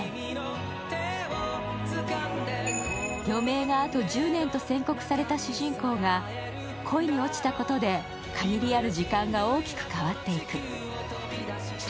余命があと１０年と宣告された主人公が恋に落ちたことで限りある時間が大きく変わっていく。